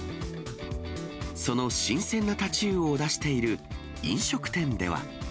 その新鮮なタチウオを出している飲食店では。